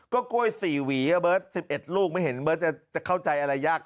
ก็กล้วย๔หวีอะเบิร์ต๑๑ลูกไม่เห็นเบิร์ตจะเข้าใจอะไรยาก